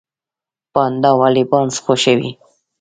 پاندا ولې بانس خوښوي؟